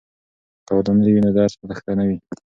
که ودانۍ وي نو درس په دښته نه وي.